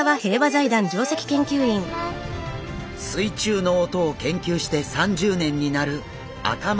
水中の音を研究して３０年になる赤松友成先生。